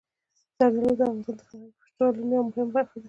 زردالو د افغانستان د فرهنګي فستیوالونو یوه مهمه برخه ده.